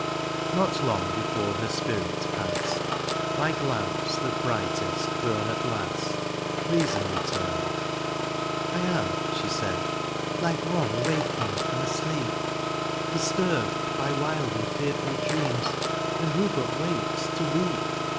Not long before her spirit passed. Like lamps that brightest bum at last. Reason returned :—^^ I am,'^ she said. Like one awaking from a sleep. Disturbed by wild and fearful dreams, ^' And who but wakes to weep.